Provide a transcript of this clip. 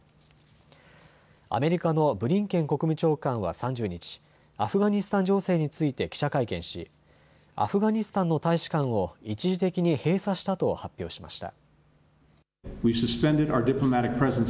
アメリカのブリンケン国務長官は３０日、アフガニスタン情勢について記者会見しアフガニスタンの大使館を一時的に閉鎖したと発表しました。